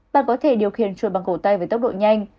bạn có thể điều khiển chuồi bằng cổ tay với tốc độ nhanh